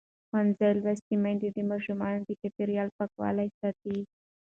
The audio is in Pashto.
ښوونځې لوستې میندې د ماشومانو د چاپېریال پاکوالي ساتي.